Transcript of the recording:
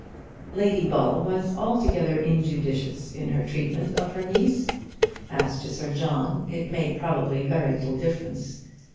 Lady Ball was altogether injudicious in her treatment of her niece. As to Sir John, it made probably very little difference.